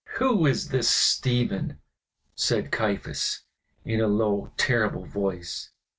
'" "Who is this Stephen?" said Caiaphas, in a low, terrible voice.